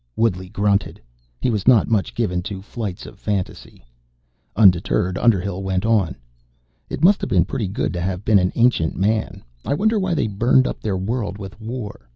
Woodley grunted. He was not much given to flights of fantasy. Undeterred, Underhill went on, "It must have been pretty good to have been an Ancient Man. I wonder why they burned up their world with war.